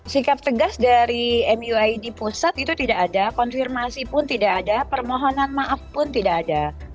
sikap tegas dari muid pusat itu tidak ada konfirmasi pun tidak ada permohonan maaf pun tidak ada